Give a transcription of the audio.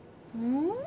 うん？